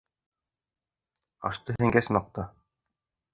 Ашты һеңгәс, маҡта.